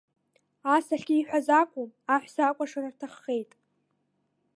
Ас ахьиҳәаз акәу, аҳәса акәашара рҭаххеит.